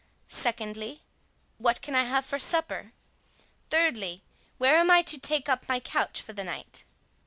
—secondly, what I can have for supper?—thirdly, where I am to take up my couch for the night?"